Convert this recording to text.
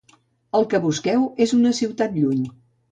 El que busqueu és una ciutat lluny.